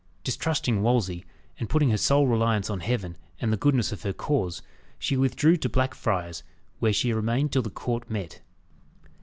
Distrusting Wolsey, and putting her sole reliance on Heaven and the goodness of her cause, she withdrew to Blackfriars, where she remained till the court met.